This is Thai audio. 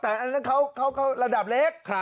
แต่อันนั้นเขาระดับเล็ก